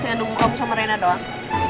tinggal nunggu kamu sama rena doang